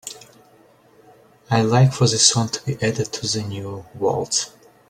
I'd like for this song to be added to the new waltz.